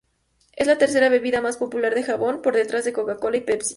Es la tercera bebida más popular de Japón, por detrás de Coca-cola y Pepsi.